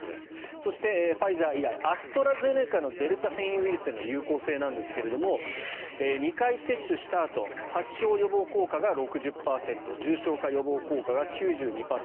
そして、ファイザー以外アストラゼネカのデルタ変異ウイルスへの有効性ですが２回接種したあと発症予防効果が６０％重症化予防効果が９２％。